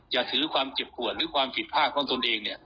อย่าถือความเจ็บปวดหรือความผิดพลาดของตนเองเนี่ย